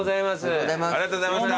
ありがとうございます。